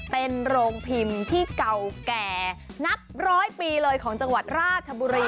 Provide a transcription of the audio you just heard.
เป็นโรงพิมพ์ที่เก่าแก่นับร้อยปีเลยของจังหวัดราชบุรี